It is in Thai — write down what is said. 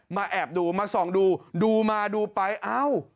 แอบดูมาส่องดูดูมาดูไปเอ้า